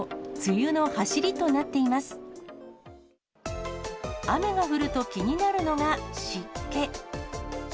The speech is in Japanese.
雨が降ると気になるのが湿気。